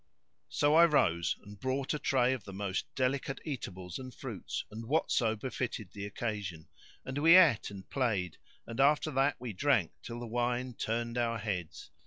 So I rose and brought a tray of the most delicate eatables and fruits and whatso befitted the occasion, and we ate and played and after that we drank till the wine turned our heads.